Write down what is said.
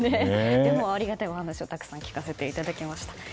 でも、ありがたいお話をたくさん聞かせていただきました。